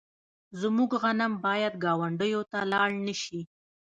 زموږ غنم باید ګاونډیو ته لاړ نشي.